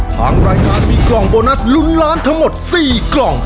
ทางรายการมีกล่องโบนัสลุ้นล้านทั้งหมด๔กล่อง